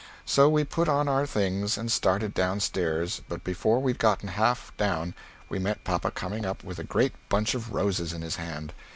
So we put on our things and started down stairs but before we'd goten half down we met papa coming up with a great bunch of roses in his hand.